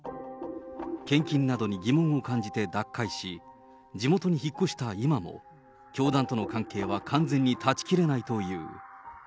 献金などに疑問を感じて脱会し、地元に引っ越した今も、教団との関係は完全に断ち切れないという。